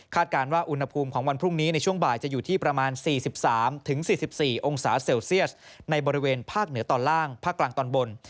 การว่าอุณหภูมิของวันพรุ่งนี้ในช่วงบ่ายจะอยู่ที่ประมาณ๔๓๔๔องศาเซลเซียสในบริเวณภาคเหนือตอนล่างภาคกลางตอนบน